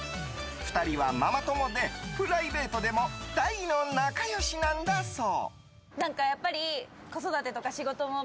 ２人はママ友でプライベートでも大の仲良しなんだそう。